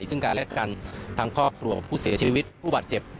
ซึ่งการแลกกันทั้งครอบครัวผู้เสียชีวิตผู้บาดเจ็บ